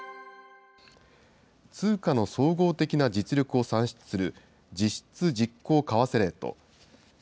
通貨の総合的な実力を算出する、実質実効為替レート。